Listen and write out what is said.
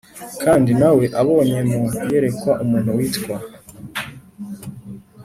Kandi na we abonye mu iyerekwa umuntu witwa